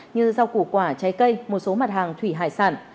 như rau củ quả trái cây một số mặt hàng thủy hải sản